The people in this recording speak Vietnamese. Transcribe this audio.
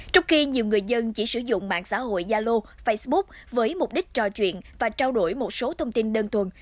trong khi nhiều người dân chỉ sử dụng mạng xã hội yalo facebook với mục đích trò chuyện và trao đổi một số thông tin đơn thuần